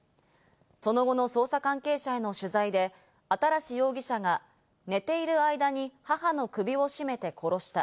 その後の捜査関係者への取材で新容疑者が寝ている間に母の首を絞めて殺した。